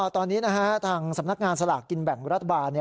ตอนนี้ทางสำนักงานสลากกินแบ่งรัฐบาล